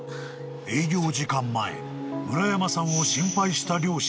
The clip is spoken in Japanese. ［営業時間前村山さんを心配した］